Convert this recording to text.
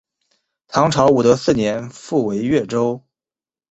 唐朝武德四年复为越州。